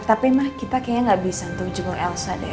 tapi ma kita kayaknya gak bisa untuk jenguk elsa deh